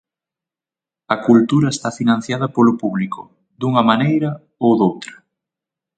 A cultura está financiada polo público dunha maneira ou doutra.